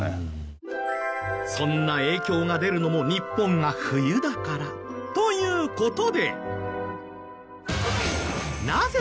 そんな影響が出るのも日本が冬だから。という事で！